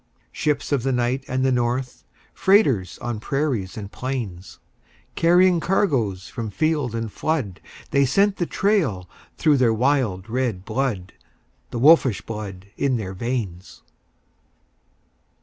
Ships of the night and the north, Freighters on prairies and plains, Carrying cargoes from field and flood They scent the trail through their wild red blood, The wolfish blood in their veins.